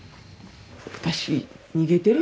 私逃げてるよね。